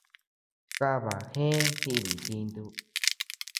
Kaba gëe diibi itintu.